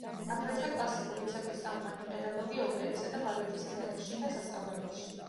აგრეთვე კლასიკური ცეკვის წამყვანი პედაგოგი ოპერისა და ბალეტის თეატრში და სასწავლებელში.